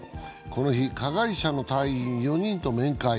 この日、加害者の隊員４人と面会。